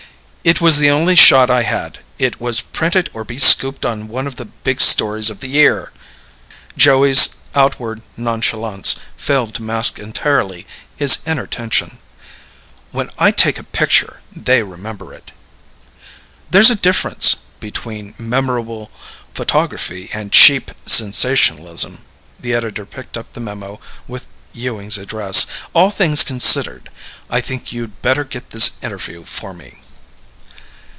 "It was the only shot I had. It was print it or be scooped on one of the big stories of the year." Joey's outward nonchalance failed to mask entirely his inner tension. "When I take a picture, they remember it." "There's a difference between memorable photography and cheap sensationalism." The editor picked up the memo with Ewing's address. "All things considered," he said, "I think you'd better get this interview for me."